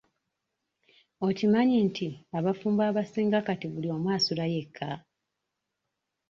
Okimanyi nti abafumbo abasinga kati buli omu asula yekka.?